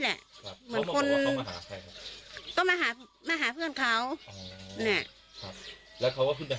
แล้วเขาก็คุณไปหาเพื่อนเขาเลย